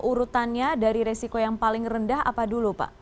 urutannya dari resiko yang paling rendah apa dulu pak